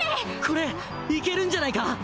これいけるんじゃないか？